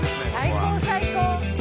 最高最高。